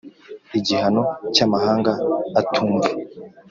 Igihano cy’amahanga atumva